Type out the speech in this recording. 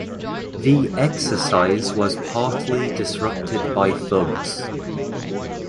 The exercise was partly disrupted by thugs.